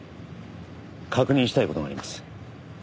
確認したい事があります。